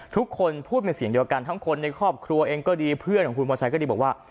ทุกคนพูดเป็นเสียงเดียวกันทั้งคนในครอบครัวเองก็ดีเพื่อนของคุณมชัยก็ดีบอกว่า